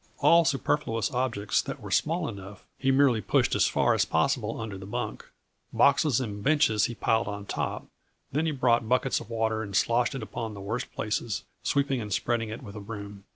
All superfluous objects that were small enough, he merely pushed as far as possible under the bunk. Boxes and benches he piled on top; then he brought buckets of water and sloshed it upon the worst places, sweeping and spreading it with a broom.